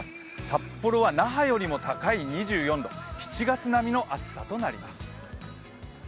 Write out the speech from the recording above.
札幌は那覇よりも高い２４度、７月並みの暑さとなります。